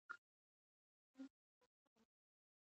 د دوو پښو پر ځای څلور پښې.